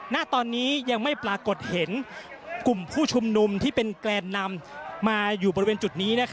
ณตอนนี้ยังไม่ปรากฏเห็นกลุ่มผู้ชุมนุมที่เป็นแกนนำมาอยู่บริเวณจุดนี้